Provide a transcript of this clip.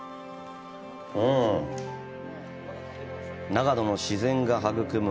長野の自然が育む